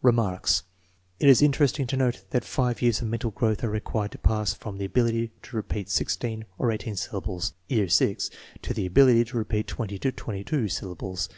Remarks. It is interesting to note that five years of mental growth are required to pass from the ability to repeat sixteen or eighteen syllables (year VI) to the ability to repeat twenty or twenty two syllables.